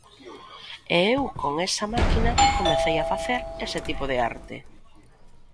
E eu con esa máquina comecei a facer ese tipo de arte.